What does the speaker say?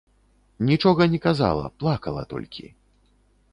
Нічога не казала, плакала толькі.